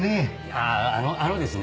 あぁあのですね